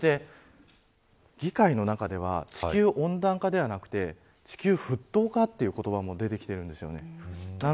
そして、議会の中では地球温暖化ではなくて地球沸騰化という言葉も出てきているんです。